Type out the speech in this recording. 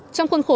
trong khuôn khổ